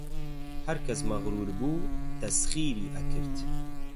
هەرکەس مەغروور بوو تەسخیری ئەکرد